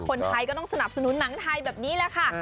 คนไทยก็ต้องสนับสนุนหนังไทยแบบนี้แหละค่ะ